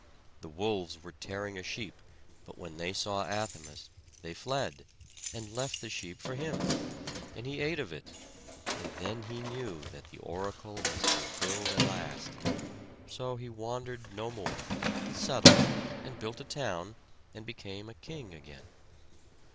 The wolves were tearing a sheep; but when they saw Athamas they fled, and left the sheep for him, and he ate of it; and then he knew that the oracle was fulfilled at last. So he wandered no more; but settled, and built a town, and became a king again.